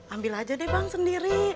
ambil aja deh bang sendiri